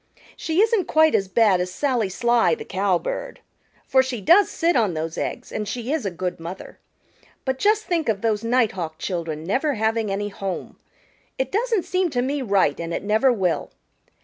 She isn't quite as bad as Sally Sly the Cowbird, for she does sit on those eggs and she is a good mother. But just think of those Nighthawk children never having any home! It doesn't seem to me right and it never will.